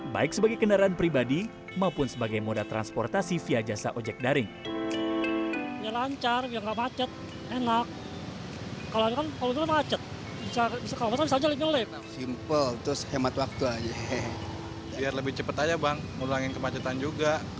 baik sebagai kendaraan pribadi maupun sebagai moda transportasi via jasa ojek daring